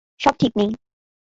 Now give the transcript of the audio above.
সব ঠিক নেই।